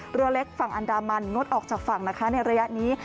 เรือเล็กฝั่งอันดามันงดออกจากฝั่งนะคะในระยะนี้